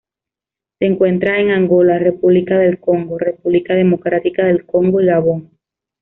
Se encuentra en Angola, República del Congo, República Democrática del Congo y Gabón.